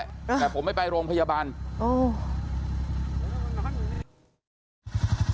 แต่ผมไม่ไปโรงพยาบาลโอ้